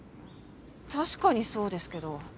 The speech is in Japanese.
確かにそうですけど。